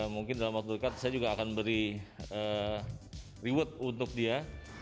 mungkin dalam waktu dekat saya juga akan beri reward untuk dia